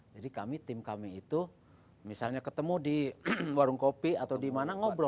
jadi kami tim kami itu misalnya ketemu di warung kopi atau dimana ngobrol